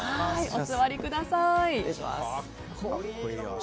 お座りください。